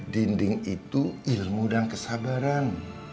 dinding itu ilmu dan kesabaran